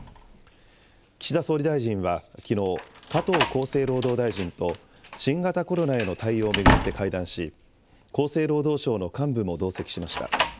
岸田総理大臣はきのう、加藤厚生労働大臣と、新型コロナへの対応を巡って会談し、厚生労働省の幹部も同席しました。